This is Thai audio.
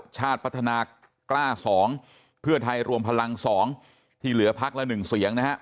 ชาติพัฒนากล้า๒เพื่อไทยรวมพลัง๒ที่เหลือพักละ๑เสียงนะฮะ